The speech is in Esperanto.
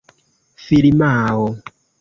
firmao